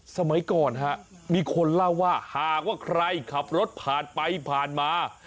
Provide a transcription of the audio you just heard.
สมัยก่อนฮะมีคนเล่าว่าหากว่าใครขับรถผ่านไปผ่านมา